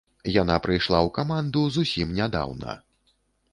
Яна прыйшла ў каманду зусім нядаўна.